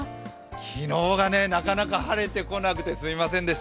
昨日がなかなか晴れてこなくて、すみませんでした。